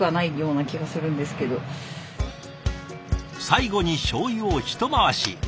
最後にしょうゆを一回し。